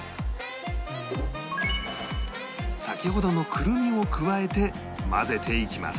先ほどのくるみを加えて混ぜていきます